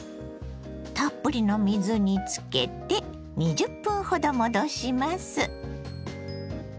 たっぷりの水につけて２０分ほど戻します。